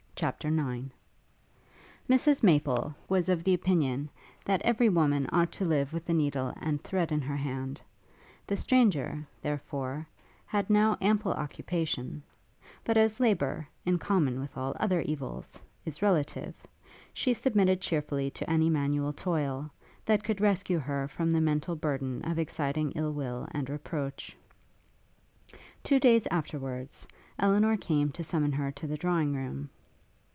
CHAPTER IX Mrs Maple was of opinion, that every woman ought to live with a needle and thread in her hand; the stranger, therefore, had now ample occupation; but as labour, in common with all other evils, is relative, she submitted cheerfully to any manual toil, that could rescue her from the mental burthen of exciting ill will and reproach. Two days afterwards, Elinor came to summon her to the drawing room.